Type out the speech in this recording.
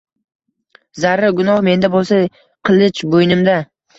Zarra gunoh menda bo’lsa, qilich bo’ynimda”.